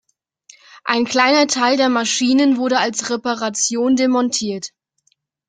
Ein kleiner Teil der Maschinen wurde als Reparation demontiert.